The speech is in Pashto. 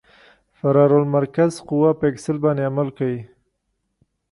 فرار المرکز قوه په اکسل باندې عمل کوي